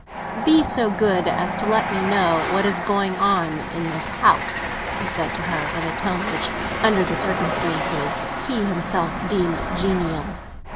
"Be so good as to let me know what is going on in the house," he said to her, in a tone which, under the circumstances, he himself deemed genial.